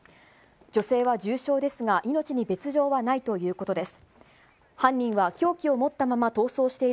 女性は重傷ですが命に別状はないということです。